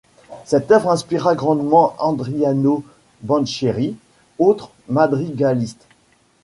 Cette œuvre inspira grandement Adriano Banchieri, autre madrigaliste.